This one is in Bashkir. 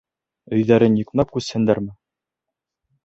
Өйҙәрен йөкмәп күсһендәрме?